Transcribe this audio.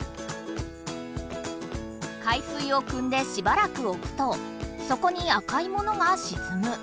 海水をくんでしばらくおくと底に赤いものがしずむ。